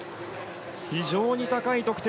非常に高い得点